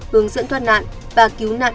hướng dẫn thoát nạn và cứu nạn